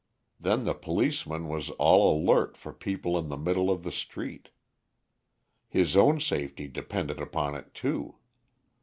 Then the policeman was all alert for people in the middle of the street. His own safety depended upon it too.